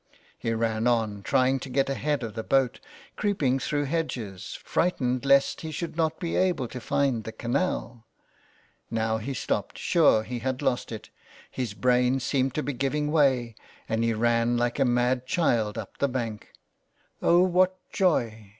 He ran on, trying to get ahead of the boat, creeping through hedges, frightened lest he should not be able to find the canal ! Now he stopped, sure that he had lost it; his brain seemed to be giving way, and he ran like a mad child up the bank. Oh, what joy